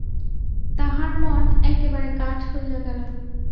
তাহার মন একেবারে কাঠ হইয়া গেল।